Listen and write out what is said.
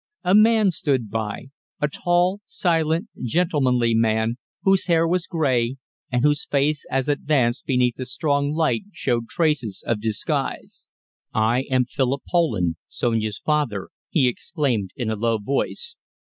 A man stood by a tall, silent, gentlemanly man, whose hair was grey, and whose face as he advanced beneath the strong light showed traces of disguise. "I am Philip Poland Sonia's father," he exclaimed in a low voice.